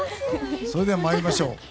それでは参りましょう。